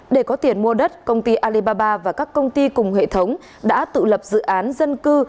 để có tiền mua đất công ty alibaba và các công ty cùng hệ thống đã tự lập dự án dân cư